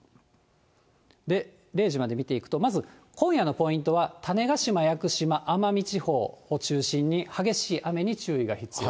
０時まで見ていくと、今夜のポイントは種子島、屋久島、奄美地方を中心に激しい雨に注意が必要。